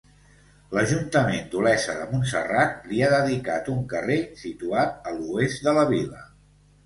L’ajuntament d’Olesa de Montserrat li ha dedicat un carrer situat a l’oest de la vila.